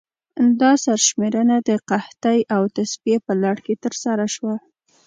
دا سرشمېرنه د قحطۍ او تصفیې په لړ کې ترسره شوه.